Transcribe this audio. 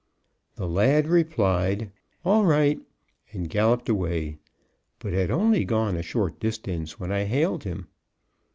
The lad replied "All right," and galloped away, but had only gone a short distance when I hailed him.